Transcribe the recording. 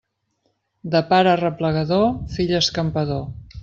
De pare arreplegador, fill escampador.